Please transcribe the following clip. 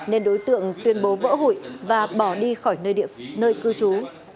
nên đối tượng tuyên bố vỡ hụi và bỏ đi khỏi nơi cư trú